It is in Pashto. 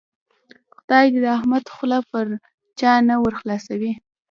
خدای دې د احمد خوله پر چا نه ور خلاصوي.